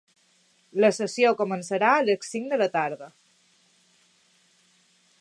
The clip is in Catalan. La sessió començarà a les cinc de la tarda.